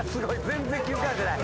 全然気付かれてない。